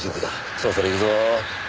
そろそろ行くぞー。